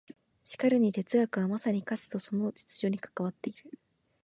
しかるに哲学はまさに価値とその秩序に関わっている。